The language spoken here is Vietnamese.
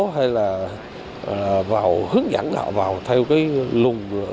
hay là hướng dẫn họ vào theo cái lùng